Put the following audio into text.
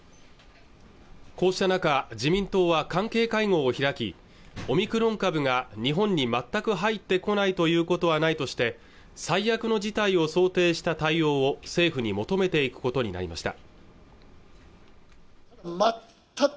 こうした中、自民党は関係会合を開きオミクロン株が日本に全く入ってこないということはないとして最悪の事態を想定した対応を政府に求めていくことになりました